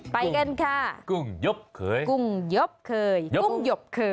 ไปกันค่ะกุ้งหยบเคย